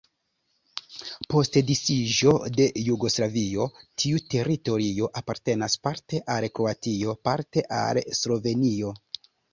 Post disiĝo de Jugoslavio tiu teritorio apartenas parte al Kroatio, parte al Slovenio.